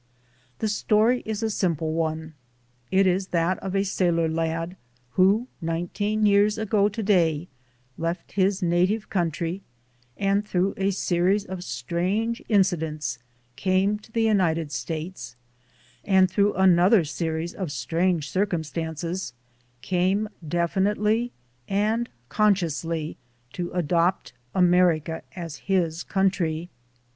The story is a simple one; it is that of a sailor lad who nineteen years ago to day left his native country and through a series of strange incidents came to the United States and through another series of strange circumstances came definitely and con sciously to adopt America as his country.